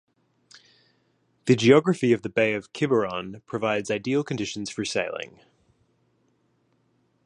The geography of the Bay of Quiberon provides ideal conditions for sailing.